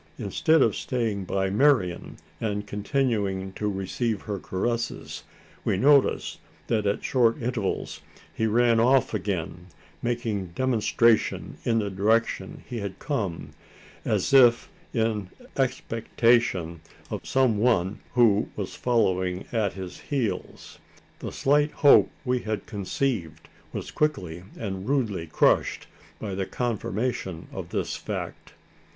Instead of staying by Marian, and continuing to receive her caresses, we noticed that at short intervals he ran off again, making demonstration in the direction he had come as if in expectation of some one who was following at his heels! The slight hope we had conceived was quickly and rudely crushed, by the confirmation of this fact.